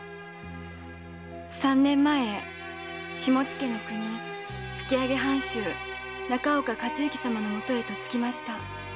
三年前下野国吹上藩主・中岡和之様のもとへ嫁ぎました。